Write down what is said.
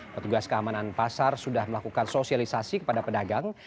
petugas keamanan pasar sudah melakukan sosialisasi kepada pedagang